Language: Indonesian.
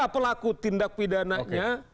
pelaku tindak pidananya